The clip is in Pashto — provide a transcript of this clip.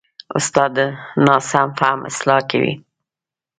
استاد د ناسم فهم اصلاح کوي.